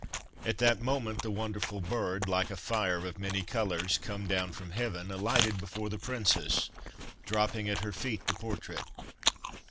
At that moment the wonderful bird, like a fire of many colours come down from heaven, alighted before the princess, dropping at her feet the portrait.